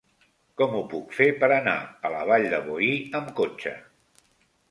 Com ho puc fer per anar a la Vall de Boí amb cotxe?